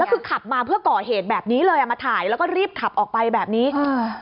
ก็คือขับมาเพื่อก่อเหตุแบบนี้เลยอ่ะมาถ่ายแล้วก็รีบขับออกไปแบบนี้อ่า